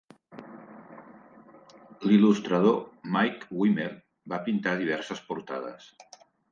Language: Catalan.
L'il·lustrador Mike Wimmer va pintar diverses portades.